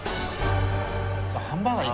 ハンバーガーいく？